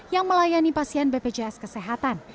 yang melayani pasien bpjs kesehatan